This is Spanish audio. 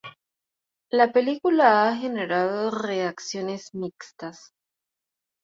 La película ha generado reacciones mixtas.